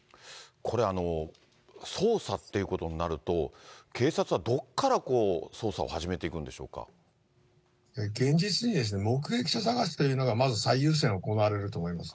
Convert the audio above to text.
これ、捜査っていうことになると、警察はどこから捜査を始め現実に目撃者探しということがまず最優先、行われると思います。